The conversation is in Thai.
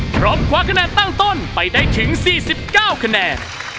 พร้อมคว้าคะแนนตั้งต้นไปได้ถึง๔๙คะแนน